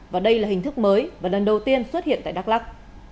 và đây là hình thức mới và lần đầu tiên xuất hiện tại đắk lắc